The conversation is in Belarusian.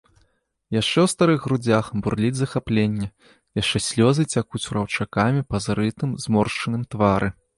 Яшчэ ў старых грудзях бурліць захапленне, яшчэ слёзы цякуць раўчакамі па зрытым, зморшчаным твары.